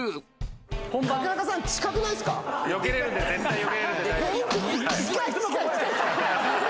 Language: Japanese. ・よけれるんで絶対よけれるんで大丈夫。